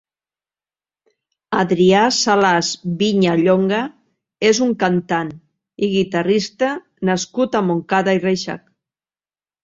Adrià Salas Viñallonga és un cantant i guitarrista nascut a Montcada i Reixac.